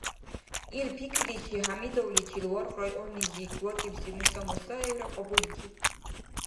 Ил пикриличи Хӏямидовличил варх районнизи вакӏибси Муса Мусаевра кьабуликиб.